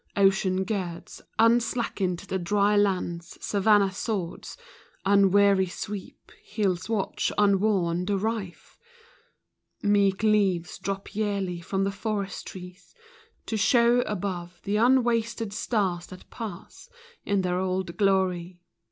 Ocean girds Unslackened the dry land; savannah swards Unweary sweep ; hills watch, unworn; and rife Meek leaves drop yearly from the forest trees, To show, above, the unwasted stars that pass In their old glory.